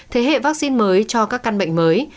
thế hệ vaccine mới cho các căn bệnh mới